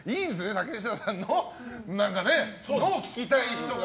竹下さんのを聞きたい人が。